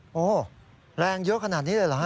โอ้โหแรงเยอะขนาดนี้เลยเหรอฮะ